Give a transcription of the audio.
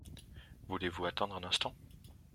Voulez-vous attendre un instant ?